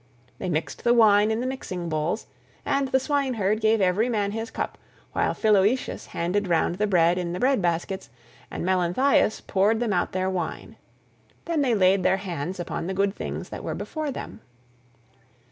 They mixed the wine in the mixing bowls, and the swineherd gave every man his cup, while Philoetius handed round the bread in the bread baskets, and Melanthius poured them out their wine. Then they laid their hands upon the good things that were before them.